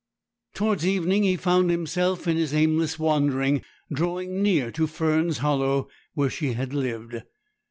Towards evening he found himself, in his aimless wandering, drawing near to Fern's Hollow, where she had lived.